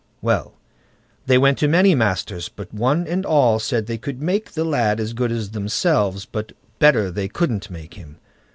Well! they went to many masters; but one and all said they could make the lad as good as themselves, but better they couldn't make him.